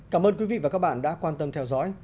cảm ơn quý vị và các bạn đã quan tâm theo dõi